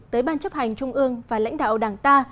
tới ban chấp hành trung ương và lãnh đạo đảng ta